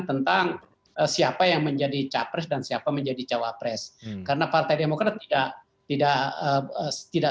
tentang siapa yang menjadi capres dan siapa menjadi cawapres karena partai demokrat tidak tidak